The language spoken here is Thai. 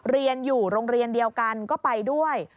เรียนอยู่โรงเรียนเดียวกันก็ไปด้วย